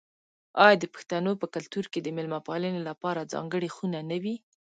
آیا د پښتنو په کلتور کې د میلمه پالنې لپاره ځانګړې خونه نه وي؟